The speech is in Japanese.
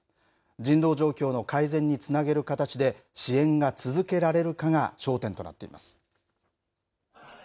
人道状況の改善につなげる形で支援が続けられるかが焦点となっています。